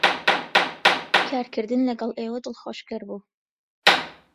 کارکردن لەگەڵ ئێوە دڵخۆشکەر بوو.